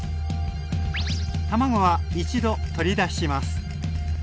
卵は一度取り出します。